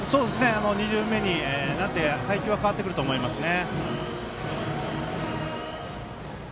２巡目になって配球は変わってくると思いますね。